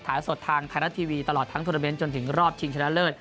ถ่ายสดทางทางทางทางทุนเตอร์เบนจนถึงรอบชิงชนะเลิศ